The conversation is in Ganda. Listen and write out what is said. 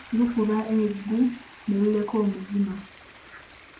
Lukuba eggu ne luleka omuzima.